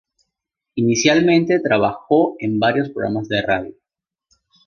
Inicialmente, trabajó en varios programas de radio.